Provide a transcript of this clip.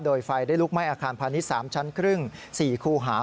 โดยไฟได้ลุกไหม้อาคารพาณิชย์๓ชั้นครึ่ง๔คูหา